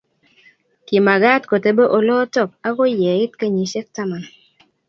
Kimagaat kotebe olotok akoy ye it kenyisyek taman.